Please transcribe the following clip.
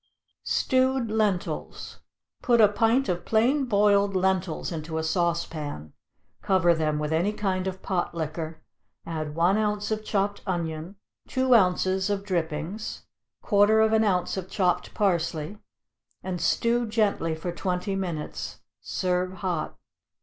=Stewed Lentils.= Put a pint of plain boiled lentils into a sauce pan, cover them with any kind of pot liquor, add one ounce of chopped onion, two ounces of drippings, quarter of an ounce of chopped parsley, and stew gently for twenty minutes; serve hot.